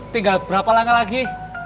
tinggal berapa langkah lagi